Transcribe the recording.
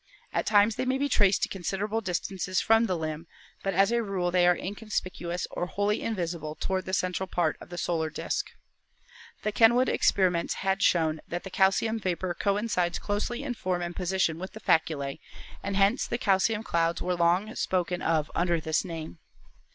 At times they may be traced to considerable distances from the limb, but as a rule they are inconspicuous or wholly invisible toward the central part of the solar disk. The Kenwood experiments had shown that the calcium vapor coincides closely in form and position with the faculae, and hence the calcium clouds were long spoken of under this name.